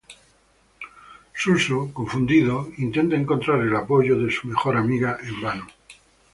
Suso, confundido, intenta encontrar el apoyo de su mejor amiga, en vano.